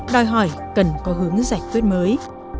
đòi hỏi cần có hướng giải quyết mới